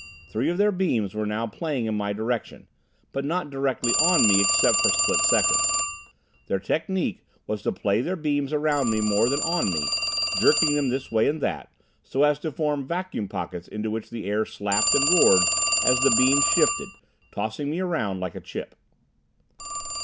Three of their beams were now playing in my direction, but not directly on me except for split seconds. Their technique was to play their beams around me more than on me, jerking them this way and that, so as to form vacuum pockets into which the air slapped and roared as the beams shifted, tossing me around like a chip.